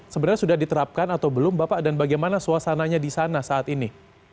sebenarnya sudah diterapkan atau belum bapak dan bagaimana suasananya di sana saat ini